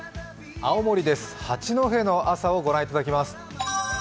青森です、八戸の朝を御覧いただきます。